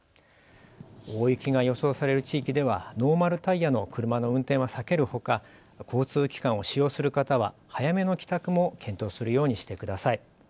大雪が予想される地域ではノーマルタイヤの車の運転は避けるほか交通機関を使用する方は早めの帰宅も検討するようにしてください。